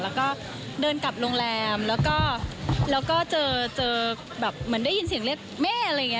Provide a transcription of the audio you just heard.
แล้วก็เดินกลับโรงแรมแล้วก็แล้วก็เจอเจอแบบเหมือนได้ยินเสียงเล็ดแม่อะไรอย่างเงี้ย